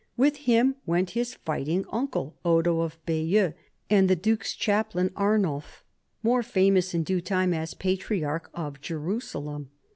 With him went his fighting uncle, Odo of Bayeux, and the duke's chaplain Arnulf, more famous in due time as patriarch of Jerusalem.